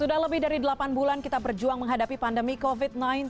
sudah lebih dari delapan bulan kita berjuang menghadapi pandemi covid sembilan belas